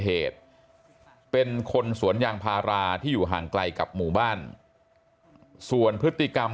เหตุเป็นคนสวนยางพาราที่อยู่ห่างไกลกับหมู่บ้านส่วนพฤติกรรม